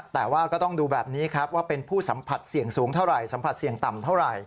แต่ว่าก็ต้องดูแบบนี้ครับว่าเป็นผู้สัมผัสเสี่ยงสูงเท่าไหร่